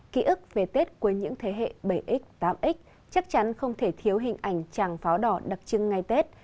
ký ức về tết của những thế hệ bảy x tám x chắc chắn không thể thiếu hình ảnh chàng pháo đỏ đặc trưng ngày tết